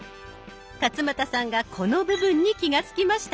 勝俣さんがこの部分に気が付きました。